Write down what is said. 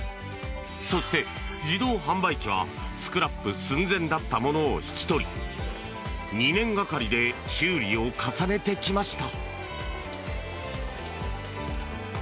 そして、自動販売機はスクラップ寸前だったものを引き取り２年がかりで修理を重ねてきました。